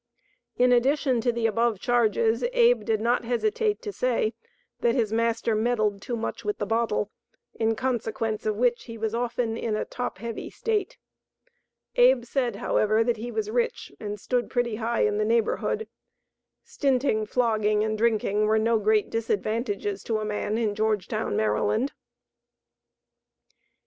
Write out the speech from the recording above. In addition to the above charges, Abe did not hesitate to say that his master meddled too much with the bottle, in consequence of which, he was often in a "top heavy" state. Abe said, however, that he was rich and stood pretty high in the neighborhood stinting, flogging and drinking were no great disadvantages to a man in Georgetown, Maryland.